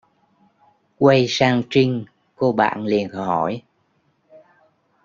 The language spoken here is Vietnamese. quay sang Trinh cô bạn liền hỏi